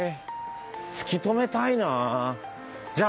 突き止めたいなあ。